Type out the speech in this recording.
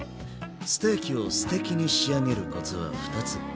ステーキをステキに仕上げるコツは２つ。